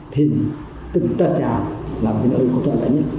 thì từ tân trào là một nơi có toàn bản nhất